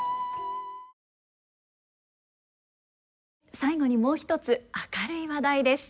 最後にもう一つ明るい話題です。